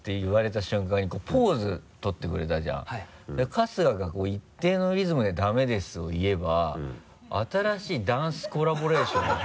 春日が一定のリズムで「ダメです」を言えば新しいダンスコラボレーション。